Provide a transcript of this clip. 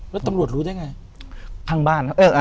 แล้วตำรวจรู้ได้ไง